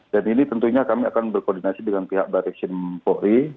dan ini tentunya kami akan berkoordinasi dengan pihak barik sinpuri